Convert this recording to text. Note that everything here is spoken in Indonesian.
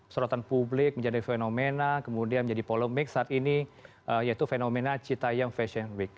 sorotan publik menjadi fenomena kemudian menjadi polemik saat ini yaitu fenomena cita yam fashion week